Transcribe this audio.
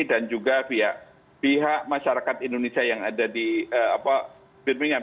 dan juga pihak masyarakat indonesia yang ada di birmingham